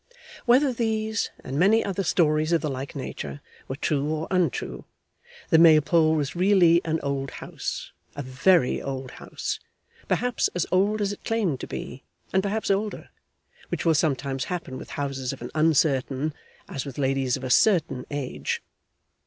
Whether these, and many other stories of the like nature, were true or untrue, the Maypole was really an old house, a very old house, perhaps as old as it claimed to be, and perhaps older, which will sometimes happen with houses of an uncertain, as with ladies of a certain, age.